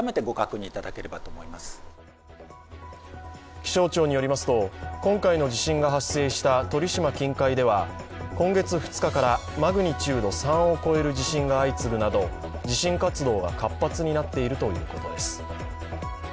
気象庁によりますと、今回の地震が発生した鳥島近海では今月２日からマグニチュード３を超える地震が相次ぐなど、地震活動が活発になっているということです。